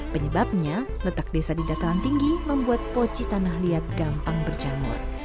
penyebabnya letak desa di dataran tinggi membuat poci tanah liat gampang berjamur